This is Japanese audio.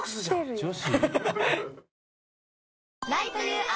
女子？